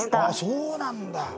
あそうなんだ！